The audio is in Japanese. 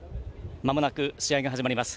まもなく試合が始まります。